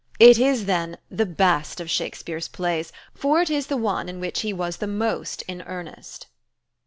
It is, then, the best of Shakespeare's plays, for it is the one in which he was the most in earnest."